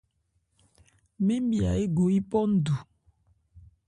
Mɛn mya égo yípɔ ndu.